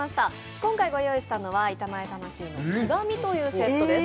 今回ご用意したのは板前魂の極というセットです。